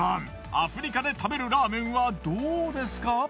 アフリカで食べるラーメンはどうですか？